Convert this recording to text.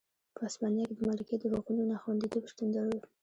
په هسپانیا کې د مالکیت د حقونو نه خوندیتوب شتون درلود.